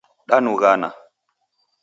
Danughana